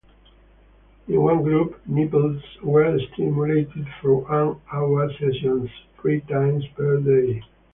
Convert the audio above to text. In one group, nipples were stimulated for one-hour sessions, three times per day.